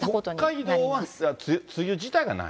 北海道は梅雨自体がない？